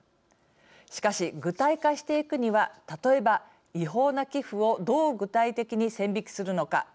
しかし、具体化していくには例えば違法な寄付をどう具体的に線引きするのか。